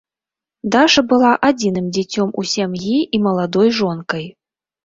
Даша была адзіным дзіцём у сям'і і маладой жонкай.